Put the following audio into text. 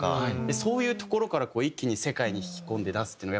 そういうところから一気に世界に引き込んで出すっていうのが。